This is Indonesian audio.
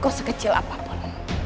kok sekecil apapun